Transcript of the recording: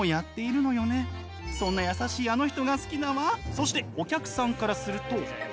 そして、お客さんからすると。